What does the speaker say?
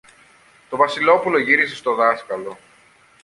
Το Βασιλόπουλο γύρισε στο δάσκαλο.